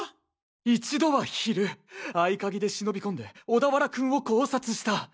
一度は昼合鍵で忍び込んで小田原君を絞殺した。